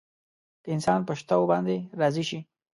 که انسان په شتو باندې راضي شي.